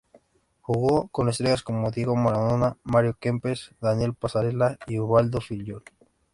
Jugó con estrellas como Diego Maradona, Mario Kempes, Daniel Passarella y Ubaldo Fillol.